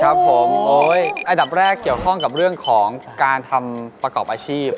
ครับผมโอ๊ยอันดับแรกเกี่ยวข้องกับเรื่องของการทำประกอบอาชีพ